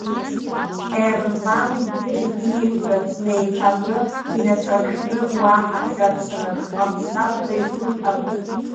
Ерванд, ииҳәац неиҭаҳәо, инаҿаршәны, уаҳа хьаҵрак ҟасҵап ҳәа игәы иҭамызт.